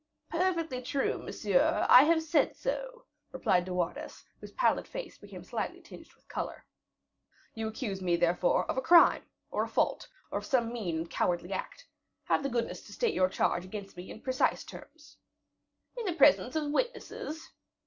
"Perfectly true, monsieur, I have said so," replied De Wardes, whose pallid face became slightly tinged with color. "You accuse me, therefore, of a crime, or a fault, or of some mean and cowardly act. Have the goodness to state your charge against me in precise terms." "In the presence of witnesses?"